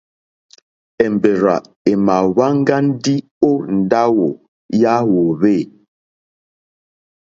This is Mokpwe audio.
Èmbèrzà èmà wáŋgá ndí ó ndáwù yà hwòhwê.